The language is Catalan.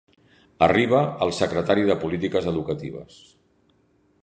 Arriba el secretari de polítiques educatives.